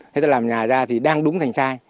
thế tôi làm nhà ra thì đang đúng thành sai